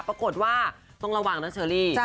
ปรากฏว่าต้องระวังนะเชอรี่